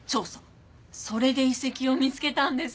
それで遺跡を見つけたんです。